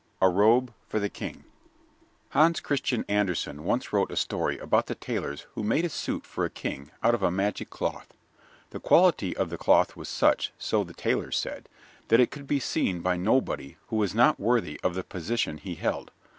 A Robe for the King Hans Christian Andersen once wrote a story about the tailors who made a suit for a King out of a magic cloth. The quality of the cloth was such, so the tailors said, that it could be seen by nobody who was not worthy of the position he held.